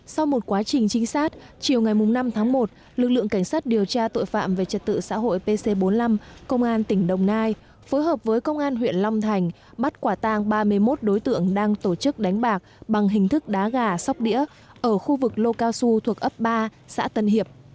sau một quá trình trinh sát chiều ngày năm tháng một lực lượng cảnh sát điều tra tội phạm về trật tự xã hội pc bốn mươi năm công an tỉnh đồng nai phối hợp với công an huyện long thành bắt quả tang ba mươi một đối tượng đang tổ chức đánh bạc bằng hình thức đá gà sóc đĩa ở khu vực lô cao su thuộc ấp ba xã tân hiệp